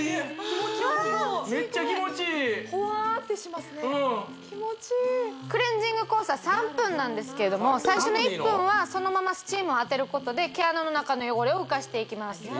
メッチャ気持ちいいホワーッてしますね気持ちいいクレンジングコースは３分なんですけれども最初の１分はそのままスチームを当てることで毛穴の中の汚れを浮かしていきます